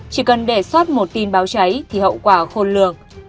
chỉ cần để xót một tin báo cháy